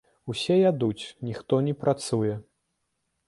Усё ядуць, ніхто не працуе.